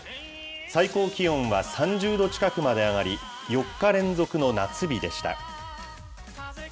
最高気温は３０度近くまで上がり、４日連続の夏日でした。